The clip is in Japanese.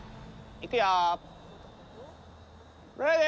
いくよ